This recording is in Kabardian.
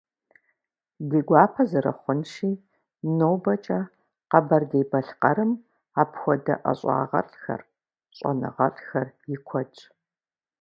Ди гуапэ зэрыхъунщи, нобэкӀэ Къэбэрдей-Балъкъэрым апхуэдэ ӀэщӀагъэлӀхэр, щӀэныгъэлӀхэр и куэдщ.